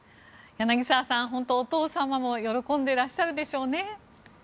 柳澤さん、本当にお父様も喜んでらっしゃるでしょうね。